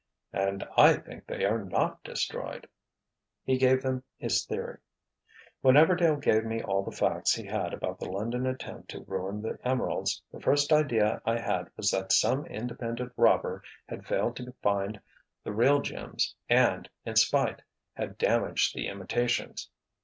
"And I think they are not destroyed!" He gave them his theory. "When Everdail gave me all the facts he had about the London attempt to ruin the emeralds, the first idea I had was that some independent robber had failed to find the real gems and, in spite, had damaged the imitations."